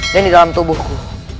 dan di dalam tubuhku